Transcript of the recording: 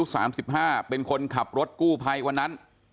ข้าวนั้นขับรถกู้พัยวันนั้น